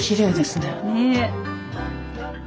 ねえ。